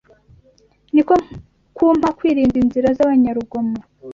niko kumpa kwirinda inzira z’abanyarugomo